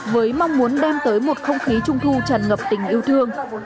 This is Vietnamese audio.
với mong muốn đem tới một không khí trung thu tràn ngập tình yêu thương